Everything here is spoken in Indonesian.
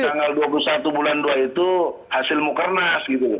jadi tanggal dua puluh satu bulan dua itu hasil muhernas gitu